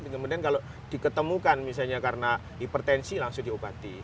kemudian kalau diketemukan misalnya karena hipertensi langsung diobati